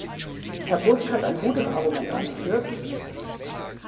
Herr Busk hat ein gutes Argument angeführt.